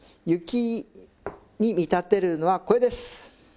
雪に見立てるのはこれです。